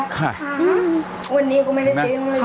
ครับ